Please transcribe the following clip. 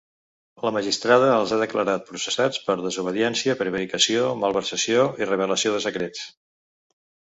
La magistrada els ha declarat processats per desobediència, prevaricació, malversació i revelació de secrets.